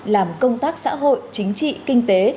làm công tác xã hội chính trị kinh tế